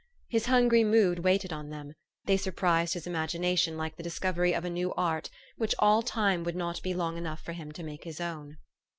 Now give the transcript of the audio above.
His hungry mood waited on them : they sur prised his imagination like the discovery of a new art, which all time would not be long enough for him to make his own.